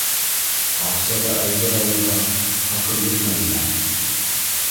Аҡсаға әйбер алырға хаҡым юҡмы әллә?